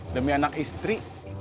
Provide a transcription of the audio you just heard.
demi anak istri